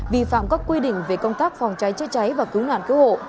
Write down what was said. vi phạm các quy định về công tác phòng cháy chữa cháy và cứu nạn cứu hộ